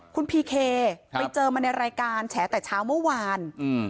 คุณพีเคไปเจอมาในรายการแฉแต่เช้าเมื่อวาน